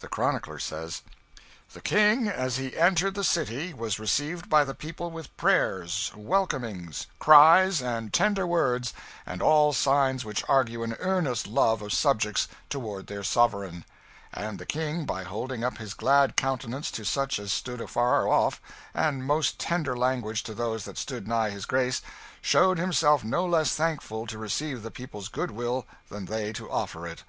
The chronicler says, 'The King, as he entered the city, was received by the people with prayers, welcomings, cries, and tender words, and all signs which argue an earnest love of subjects toward their sovereign; and the King, by holding up his glad countenance to such as stood afar off, and most tender language to those that stood nigh his Grace, showed himself no less thankful to receive the people's goodwill than they to offer it.